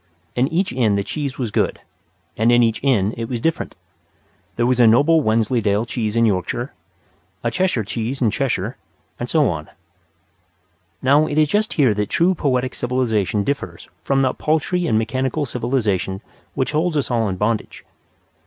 In each inn the cheese was good; and in each inn it was different. There was a noble Wensleydale cheese in Yorkshire, a Cheshire cheese in Cheshire, and so on. Now, it is just here that true poetic civilization differs from that paltry and mechanical civilization which holds us all in bondage.